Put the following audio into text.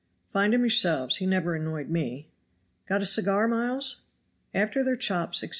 Find him yourselves. He never annoyed me. Got a cigar, Miles?" After their chops, etc.